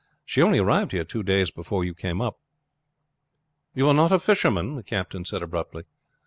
She only arrived here two days before you came up." "You are not a fisherman?" the captain said abruptly.